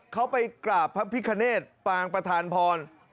เขาไปกราบพระพิคเนตปางประธานพร